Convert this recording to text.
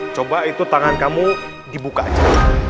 coba itu tangan kamu dibuka aja